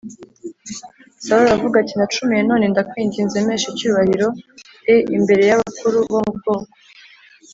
Sawuli aravuga ati nacumuye None ndakwinginze mpesha icyubahiro e imbere y abakuru bo mu bwoko